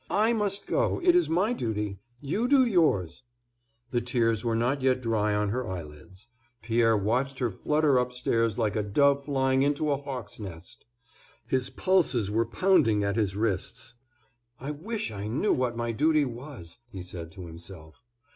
"I must go; it is my duty; you do yours." The tears were not yet dry on her eyelids. Pierre watched her flutter upstairs like a dove flying into a hawk's nest. His pulses were pounding at his wrists. "I wish I knew what my duty was," he said to himself.